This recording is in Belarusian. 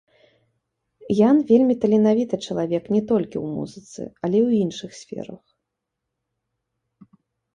Ян вельмі таленавіты чалавек не толькі ў музыцы, але і ў іншых сферах.